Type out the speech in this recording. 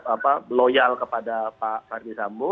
apa loyal kepada pak ferdis sambo